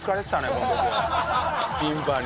この時はキンパに。